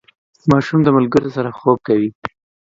ماشوم د ملګرو سره خوب کوي.